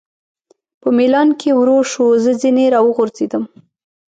په مېلان کې ورو شو، زه ځنې را وغورځېدم.